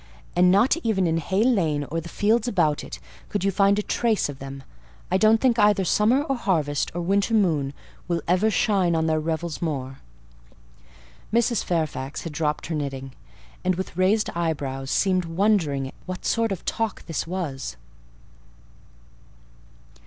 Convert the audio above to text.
"And not even in Hay Lane, or the fields about it, could you find a trace of them. I don't think either summer or harvest, or winter moon, will ever shine on their revels more." Mrs. Fairfax had dropped her knitting, and, with raised eyebrows, seemed wondering what sort of talk this was.